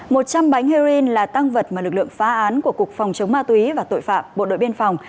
một trăm linh bánh heroin là tăng vật mà lực lượng phá án của cục phòng chống ma túy và tội phạm bộ đội biên phòng